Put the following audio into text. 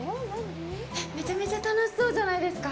めちゃめちゃ楽しそうじゃないですか？